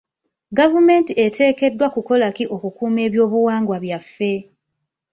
Gavumenti eteekeddwa kukola ki okukuuma ebyobuwangwa byaffe?